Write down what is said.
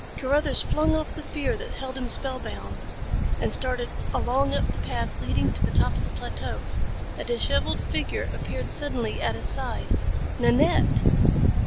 Carruthers flung off the fear that held him spellbound and started along up the path leading to the top of the plateau. A disheveled figure appeared suddenly at his side Nanette!